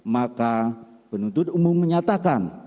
maka penuntut umum menyatakan